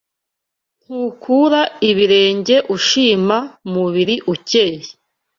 Ntukura ibirenge Ushima mubiri ukeye